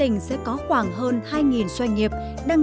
trong đó có trên một năm trăm linh doanh nghiệp hoạt động sản xuất kinh doanh